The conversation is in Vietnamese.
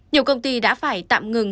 nhiều công ty đã phải tạm ngừng